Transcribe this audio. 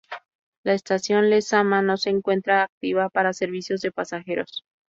La estación Lezama no se encuentra activa para servicios de pasajeros.